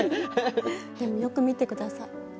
でもよく見て下さい。